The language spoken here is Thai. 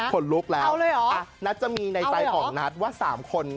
คนลุกแล้วนะเอาเลยหรอเอาเลยหรอนัทจะมีในใจของนัทว่า๓คน